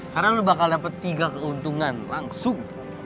karena lo bakal dapet tiga keuntungan langsung